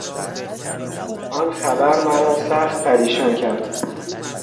آن خبر مرا سخت پریشان کرد.